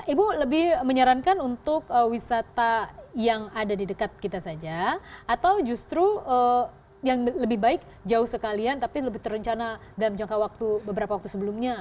ibu lebih menyarankan untuk wisata yang ada di dekat kita saja atau justru yang lebih baik jauh sekalian tapi lebih terencana dalam jangka waktu beberapa waktu sebelumnya